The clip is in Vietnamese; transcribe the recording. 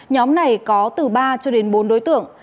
nhóm này có từ ba cho đến bốn đối tượng